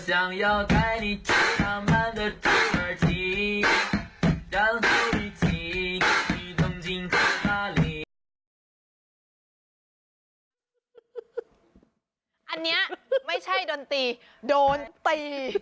อันนี้ไม่ใช่ดนตรีโดนตี